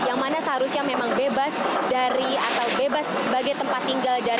yang mana seharusnya memang bebas dari atau bebas sebagai tempat tinggal